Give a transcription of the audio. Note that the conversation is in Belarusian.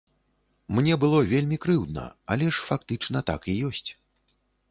Мне было вельмі крыўдна, але ж фактычна так і ёсць!